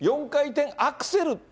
４回転アクセル